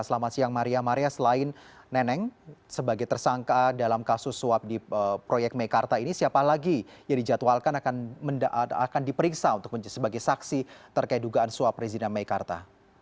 selamat siang maria maria selain neneng sebagai tersangka dalam kasus suap di proyek mekarta ini siapa lagi yang dijadwalkan akan diperiksa sebagai saksi terkait dugaan suap rezina mekarta